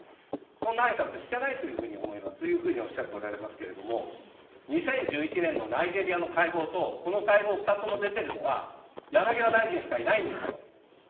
そんなあいさつしてないというふうに思いますというふうにおっしゃっておられますけれども、２０１１年のナイジェリアの会合と、この会合、２つとも出ているのは山際大臣しかいないんですよ。